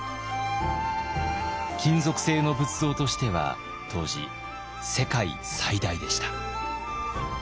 金属製の仏像としては当時世界最大でした。